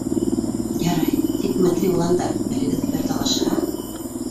- Ярай, тик мәтри, уландар, берегеҙ бер талашһа.